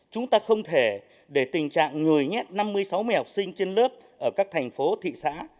chúng ta không thể để tình trạng người nhét năm mươi sáu mẹ học sinh trên lớp ở các thành phố thị xã